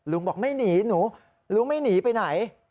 บอกไม่หนีหนูลุงไม่หนีไปไหน